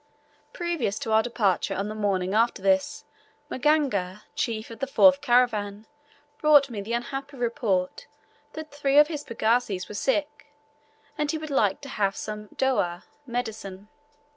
Previous to our departure on the morning after this, Maganga, chief of the fourth caravan, brought me the unhappy report that three of his pagazis were sick, and he would like to have some "dowa" medicine.